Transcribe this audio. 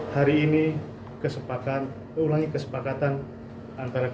hari ini kesepakatan ulangi kesepakatan antara kita